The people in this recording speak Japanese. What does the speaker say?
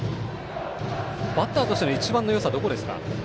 バッターとして一番のよさはどこですか？